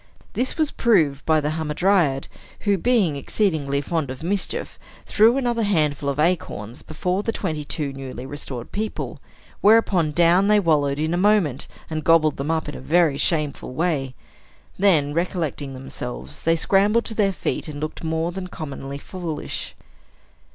This was proved by the hamadryad, who, being exceedingly fond of mischief, threw another handful of acorns before the twenty two newly restored people; whereupon down they wallowed in a moment, and gobbled them up in a very shameful way. Then, recollecting themselves, they scrambled to their feet, and looked more than commonly foolish.